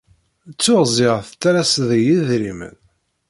Ttuɣ ziɣ tettalaseḍ-iyi idrimen.